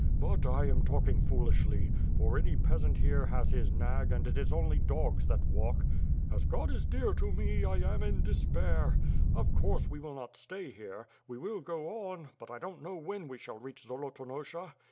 But I am talking foolishly; for any peasant here has his nag and it is only dogs that walk. As God is dear to me, I am in despair. Of course we will not stay here. We will go on, but I don't know when we shall reach Zolotonosha.